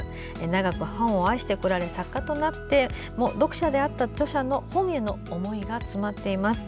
長く本を愛してこられ作家となっても読者であった著者の本への思いが詰まっています。